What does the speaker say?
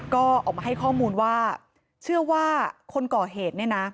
ก็ออกมาให้ข้อมูลว่าเชื่อว่าคนก่อเหตุเนี่ยนะ